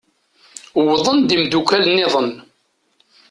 Wwḍen-d imddukal-nniḍen.